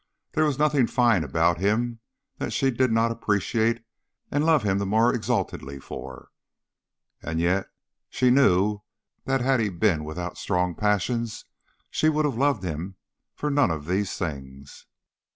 There was nothing fine about him that she did not appreciate and love him the more exaltedly for; and yet she knew that had he been without strong passions she would have loved him for none of these things.